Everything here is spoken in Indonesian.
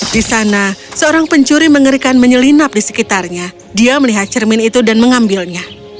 di sana seorang pencuri mengerikan menyelinap di sekitarnya dia melihat cermin itu dan mengambilnya